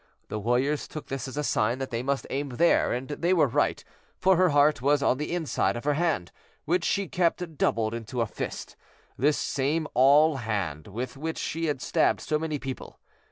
The warriors took this as a sign that they must aim there, and they were right, for her heart was on the inside of her hand, which she kept doubled into a fist, this same awl hand with which she had stabbed so many people.